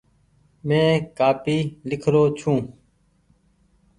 مينٚ ڪآپي لکرو ڇو